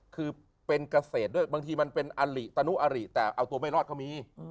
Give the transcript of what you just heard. คือเป็นเกษตรด้วยบางทีมันเป็นอลิตานุอริแต่เอาตัวไม่รอดก็มี